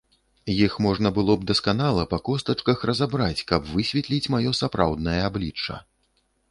Іх можна было б дасканала, па костачках, разабраць, каб высветліць маё сапраўднае аблічча.